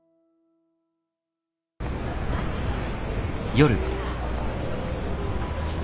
夜。